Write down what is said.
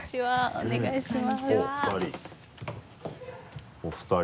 お願いします。